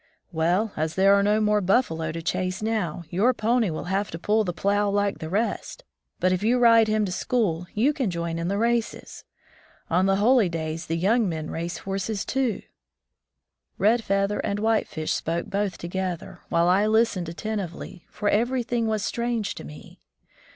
"Well, as there are no more buffalo to chase now, your pony will have to pull the plow like the rest. But if you ride him to school, you can join in the races. On the holy days the young men race horses, too." 19 From the Deep Woods to Civilization Red Feather and White Fish spoke both together, while I listened attentively, for everything was strange to me.